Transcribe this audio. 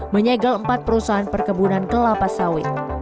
menyegel empat perusahaan perkebunan kelapa sawit